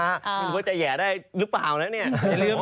งั้นว่าจะแย่ได้รึเปล่าแล้วเนี่ย